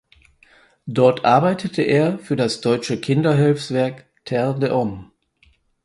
Dort arbeitete er für das deutsche Kinderhilfswerk terre des hommes.